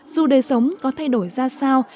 dù đời sống có thay đổi ra sao